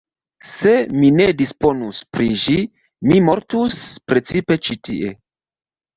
Se mi ne disponus pri ĝi, mi mortus, precipe ĉi tie.